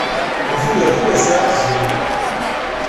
Di tudert-iw ur sɛiɣ aqjun.